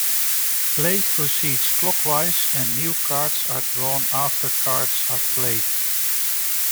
Play proceeds clockwise and new cards are drawn after cards are played.